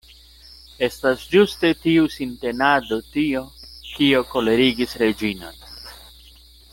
Estas ĝuste tiu sintenado tio, kio kolerigis Reĝinon.